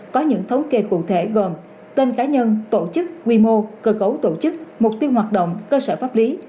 có những thống kê cụ thể gồm tên cá nhân tổ chức quy mô cơ cấu tổ chức mục tiêu hoạt động cơ sở pháp lý